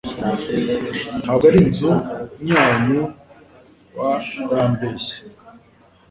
Ntabwo ari inzu nyanyu wa rambeshye